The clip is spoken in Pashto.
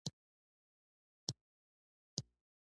- یوه مشوره 💡